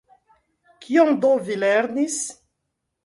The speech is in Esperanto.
Kion do vi lernis?